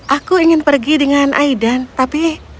aku ingin pergi dengan aidan tapi